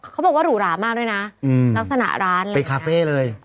เขาบอกว่าหรูหรามากด้วยนะลักษณะร้านเลยเป็นคาเฟ่เลย